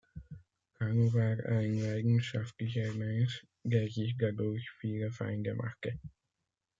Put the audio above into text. Cano war ein leidenschaftlicher Mensch, der sich dadurch viele Feinde machte.